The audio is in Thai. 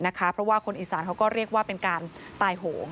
เพราะว่าคนอีสานเขาก็เรียกว่าเป็นการตายโหง